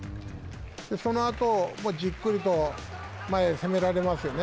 そのあと、じっくりと前へ攻められますよね。